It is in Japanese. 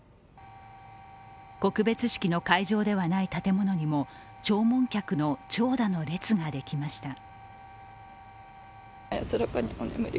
告別式の会場ではない建物にも弔問客の長蛇の列ができました。